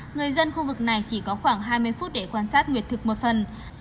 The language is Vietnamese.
người dân khu vực này chỉ có khoảng hai mươi phút để quan sát nguyệt thực một phần